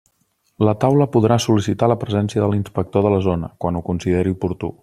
La Taula podrà sol·licitar la presència de l'inspector de la zona, quan ho consideri oportú.